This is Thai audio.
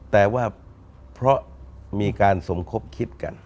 แต่ว่าเพราะมีการสมคบคิดกัน